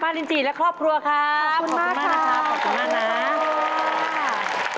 ป้าลินจีและครอบครัวครับขอบคุณมากนะครับ